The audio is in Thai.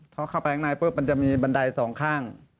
เขาเข้าไปข้างในมันจะมีบันไดสองข้าง